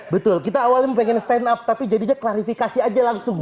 betul kita awalnya pengen stand up tapi jadinya klarifikasi aja langsung